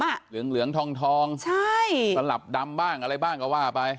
เหลืองเหลืองทองทองใช่สลับดำบ้างอะไรบ้างก็ว่าไป